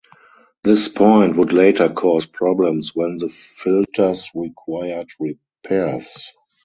This point would later cause problems when the filters required repairs.